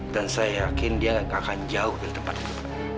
dan saya yakin dia nggak akan jauh dari tempat itu pak